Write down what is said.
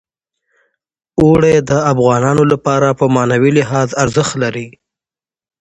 اوړي د افغانانو لپاره په معنوي لحاظ ارزښت لري.